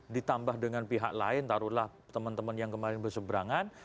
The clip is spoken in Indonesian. ditambah dengan pihak lain taruhlah teman teman yang kemarin berseberangan